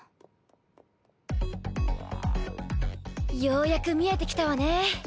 ようやく見えてきたわね。